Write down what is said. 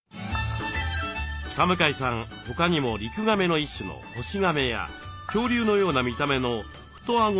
田向さん他にもリクガメの一種のホシガメや恐竜のような見た目のフトアゴヒゲトカゲ。